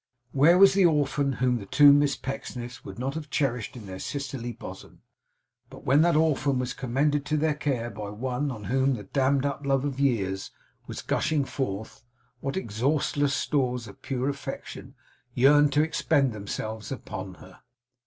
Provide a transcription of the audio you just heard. Where was the orphan whom the two Miss Pecksniffs would not have cherished in their sisterly bosom! But when that orphan was commended to their care by one on whom the dammed up love of years was gushing forth, what exhaustless stores of pure affection yearned to expend themselves upon her!